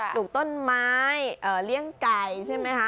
ลูกต้นไม้เลี้ยงไก่ใช่ไหมคะ